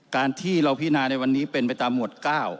การที่เราพินาในวันนี้เป็นไปตามหมวด๙